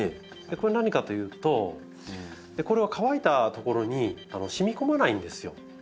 これ何かというとこれは乾いた所にしみ込まないんですよ。